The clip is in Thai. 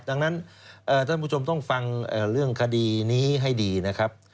ดังนั้นท่านผู้ชมต้องฟังเรื่องคดีนี้ให้ดีนะครับ